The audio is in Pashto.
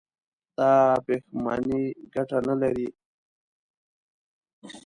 دا پښېماني گټه نه لري.